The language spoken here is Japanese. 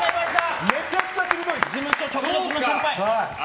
めちゃくちゃ鋭いです。